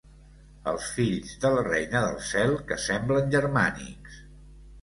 Els fills de la reina del cel que semblen germànics.